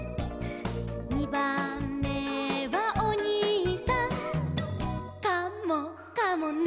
「にばんめはおにいさん」「カモかもね」